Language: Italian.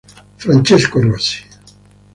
Francesco Rossi